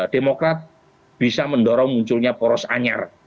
demokrat bisa mendorong munculnya poros anyar